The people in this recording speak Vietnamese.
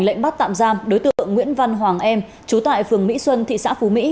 lệnh bắt tạm giam đối tượng nguyễn văn hoàng em trú tại phường mỹ xuân thị xã phú mỹ